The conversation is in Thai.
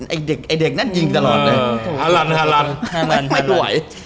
ไอเด็กนั้นยิงตลอดเลย